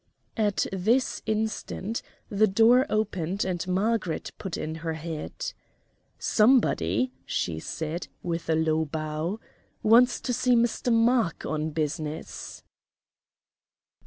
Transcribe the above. At this instant the door opened and Margaret put in her head. "Somebody," she said, with a low bow, "wants to see Mr. Mark on business."